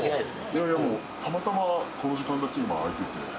いやいや、もうたまたまこの時間だけ今、空いてて。